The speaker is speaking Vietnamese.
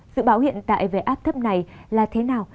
sự bão hiện tại về áp thấp này là thế nào